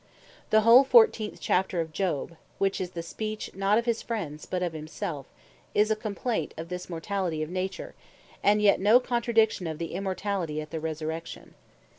The whole 14. Chapter of Job, which is the speech not of his friends, but of himselfe, is a complaint of this Mortality of Nature; and yet no contradiction of the Immortality at the Resurrection.